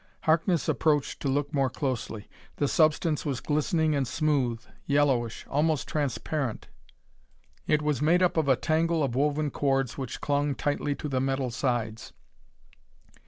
Harkness approached to look more closely. The substance was glistening and smooth yellowish almost transparent. It was made up of a tangle of woven cords which clung tightly to the metal sides.